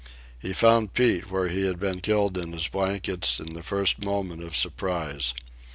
He found Pete where he had been killed in his blankets in the first moment of surprise.